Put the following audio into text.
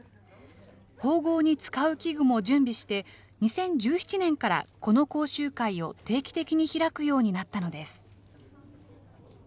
縫合に使う器具も準備して、２０１７年からこの講習会を定期的に開くようになったのです。